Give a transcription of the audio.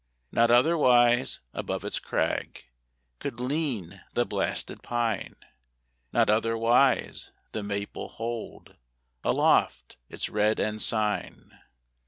Not otherwise above its crag Could lean the blasted pine; Not otherwise the maple hold Aloft its red ensign.